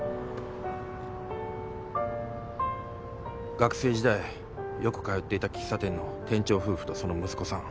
学生時代よく通っていた喫茶店の店長夫婦とその息子さん。